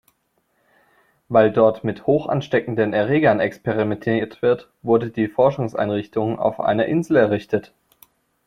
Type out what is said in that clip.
Weil dort mit hochansteckenden Erregern experimentiert wird, wurde die Forschungseinrichtung auf einer Insel errichtet.